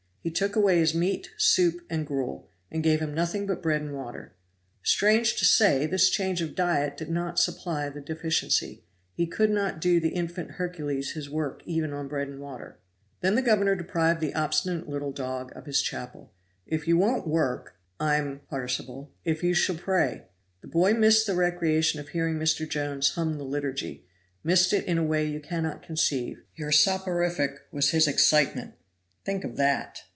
He took away his meat soup and gruel, and gave him nothing but bread and water. Strange to say, this change of diet did not supply the deficiency; he could not do the infant Hercules his work even on bread and water. Then the governor deprived the obstinate little dog of his chapel. "If you won't work, I'm [participle] if you shall pray." The boy missed the recreation of hearing Mr. Jones hum the Liturgy; missed it in a way you cannot conceive. Your soporific was his excitement; think of that.